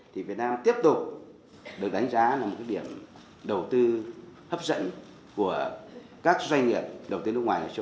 thì việt nam tiếp tục được đánh giá là một điểm đầu tư hấp dẫn của các doanh nghiệp đầu tiên nước ngoài